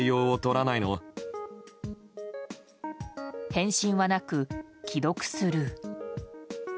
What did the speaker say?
返信はなく、既読スルー。